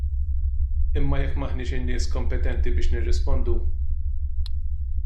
Imma jekk m'aħniex in-nies kompetenti biex nirrispondu.